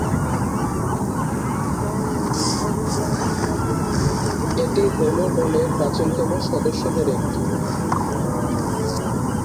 এটি হোমো গণের প্রাচীনতম সদস্যদের একটি।